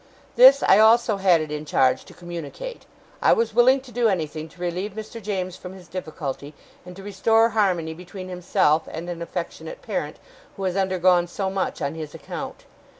'This I also had it in charge to communicate. I was willing to do anything to relieve Mr. James from his difficulty, and to restore harmony between himself and an affectionate parent, who has undergone so much on his account.